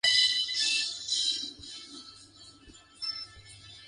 Bernini employed him for nearly a decade in diverse projects.